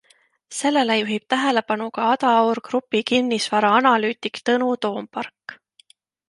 Sellele juhib tähelepanu ka Adaur Grupi kinnisvaraanalüütik Tõnu Toompark.